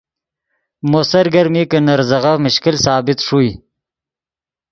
مو سرگرمی کہ نے ریزغف مشکل ثابت ݰوئے